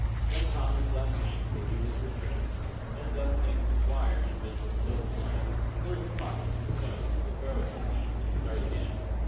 Then Tom would blaspheme till he was refreshed, mend up things with wire and bits of clothes line, fill his pockets with stones to throw at the team, and start again.